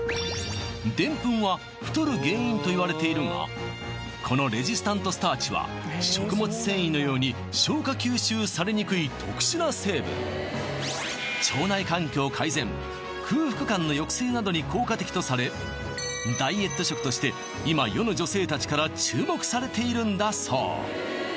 デンプンは太る原因といわれているがこのレジスタントスターチは食物繊維のように消化吸収されにくい特殊な成分腸内環境改善空腹感の抑制などに効果的とされダイエット食として今世の女性たちから注目されているんだそう